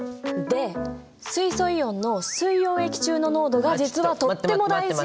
で水素イオンの水溶液中の濃度が実はとっても大事で。